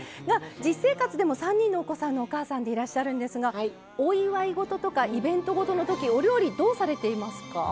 実生活でも３人のお子さんのお母さんでいらっしゃるのですがお祝い事とかイベントごとのときお料理、どうされていますか？